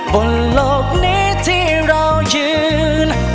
บนโลกนี้ที่เรายืน